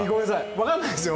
わからないですよ